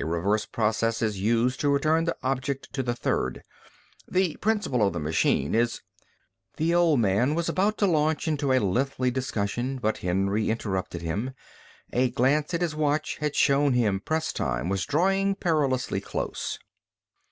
A reverse process is used to return the object to the third. The principle of the machine is " The old man was about to launch into a lengthy discussion, but Henry interrupted him. A glance at his watch had shown him press time was drawing perilously close.